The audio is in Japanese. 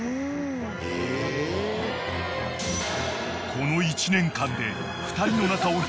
［この１年間で］